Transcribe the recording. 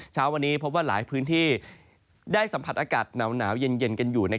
เช้าวันนี้พบว่าหลายพื้นที่ได้สัมผัสอากาศหนาวเย็นกันอยู่